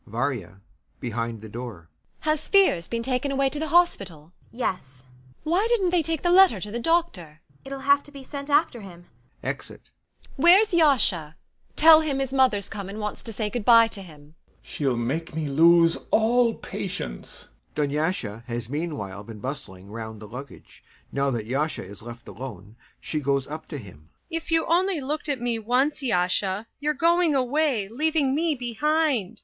VARYA. [Behind the door] Has Fiers been taken away to the hospital? ANYA. Yes. VARYA. Why didn't they take the letter to the doctor? ANYA. It'll have to be sent after him. [Exit.] VARYA. [In the next room] Where's Yasha? Tell him his mother's come and wants to say good bye to him. YASHA. [Waving his hand] She'll make me lose all patience! [DUNYASHA has meanwhile been bustling round the luggage; now that YASHA is left alone, she goes up to him.] DUNYASHA. If you only looked at me once, Yasha. You're going away, leaving me behind.